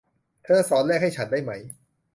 เธอสอนเลขให้ฉันได้ไหม